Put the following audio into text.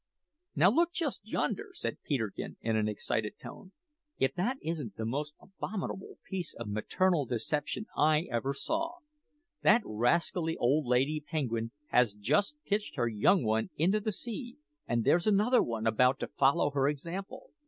"Now, just look yonder!" said Peterkin in an excited tone. "If that isn't the most abominable piece of maternal deception I ever saw! That rascally old lady penguin has just pitched her young one into the sea, and there's another about to follow her example."